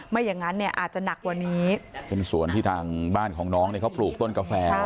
อย่างนั้นเนี่ยอาจจะหนักกว่านี้เป็นสวนที่ทางบ้านของน้องเนี่ยเขาปลูกต้นกาแฟ